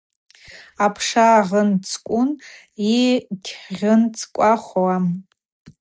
Апша гъынцӏкӏвун, йыгьгъынцӏкӏвахуам.